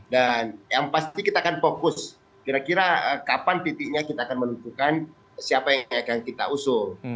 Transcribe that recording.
dan yang pasti kita akan fokus kira kira kapan titiknya kita akan menentukan siapa yang akan kita usung